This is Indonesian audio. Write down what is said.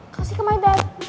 kasih ke my bed